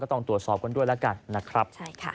ต้องตรวจสอบกันด้วยแล้วกันนะครับ